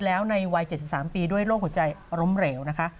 แล้วในวายเจ็ดซิบสามปีด้วยโรคหัวใจล้มเหลวนะฮะ